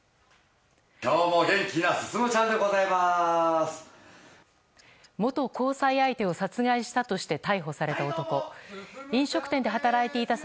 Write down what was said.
今日も元気な進ちゃんでございます！